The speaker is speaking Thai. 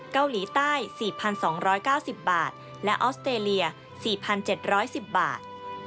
เกาหลีใต้๔๒๙๐บาทและออสเตรเลีย๔๗๑๐บาท